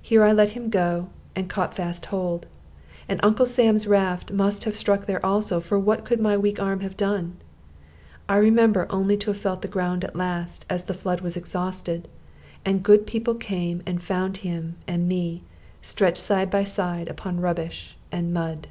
Here I let him go, and caught fast hold; and Uncle Sam's raft must have stuck there also, for what could my weak arm have done? I remember only to have felt the ground at last, as the flood was exhausted; and good people came and found him and me, stretched side by side, upon rubbish and mud.